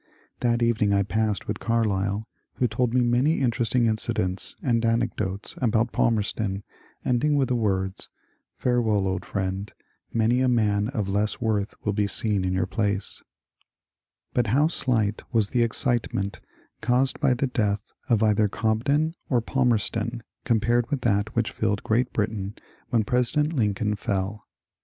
^ That evening I passed with Carlyle, who told me many interesting incidents and anecdotes about Palmerston, ending with the words, ^^ Farewell, old friend ; many a man of less worth will be seen in your place I " But how slight was the excitement caused by the death of either Cobden or Palmerston compared with that which filled Great Britain when President Lincoln fell.